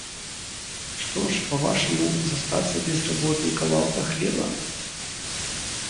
Што ж, па-вашаму, застацца без работы і кавалка хлеба?